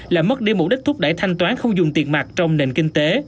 làm mất đi mục đích thúc đẩy thanh toán không dùng tiền mạc trong nền kinh tế